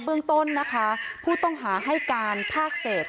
เบื้องต้นนะคะผู้ต้องหาให้การภาคเศษ